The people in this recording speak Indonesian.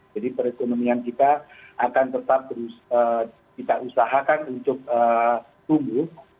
jadi perekonomian kita akan tetap kita usahakan untuk tumbuh